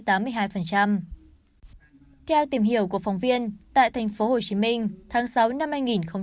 theo tìm hiểu của phóng viên tại thành phố hồ chí minh tháng sáu năm hai nghìn hai mươi hai